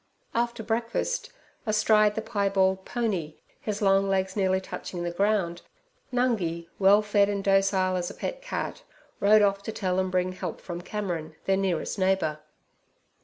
After breakfast, astride the piebald pony, his long legs nearly touching the ground, Nungi, well fed and docile as a pet cat, rode off to tell and bring help from Cameron, their nearest neighbour.